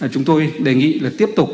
chúng tôi đề nghị là tiếp tục